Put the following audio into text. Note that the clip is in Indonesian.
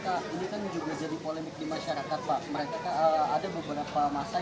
mereka ada beberapa masyarakat yang juga terima aksi